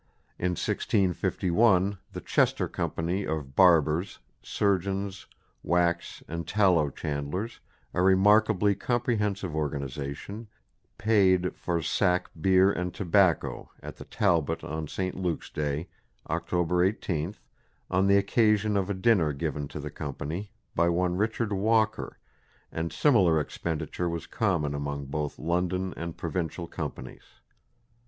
In 1651 the Chester Company of Barbers, Surgeons, Wax and Tallow Chandlers a remarkably comprehensive organization paid for "Sack beere and Tobacco" at the Talbot on St. Luke's Day, October 18, on the occasion of a dinner given to the Company by one Richard Walker; and similar expenditure was common among both London and provincial Companies.